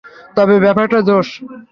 তবে ব্যাপারটা জোশ।